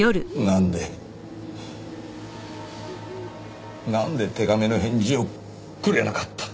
なんでなんで手紙の返事をくれなかった？